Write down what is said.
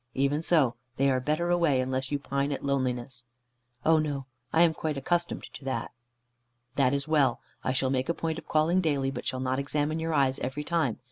Even so, they are better away, unless you pine at loneliness." "Oh no. I am quite accustomed to that." "That is well. I shall make a point of calling daily, but shall not examine your eyes every time.